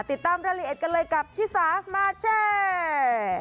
ติดตามรายละเอียดกันเลยกับชิสามาแชร์